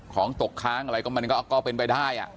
ของตกค้างอะไรก็เป็นไปได้อ่ะ